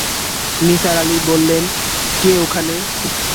নিসার আলি বললেন, কে ওখানে?